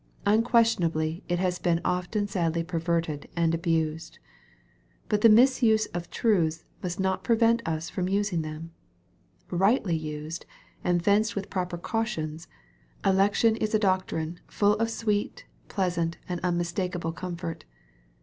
Unquestionably it has been often sadly perverted and abused. But the misuse of truths must not prevent us from using them. Kightly used, and fenced with proper cautions, election is a doctrine " full of sweet, pleasant, and unspeakable comfort."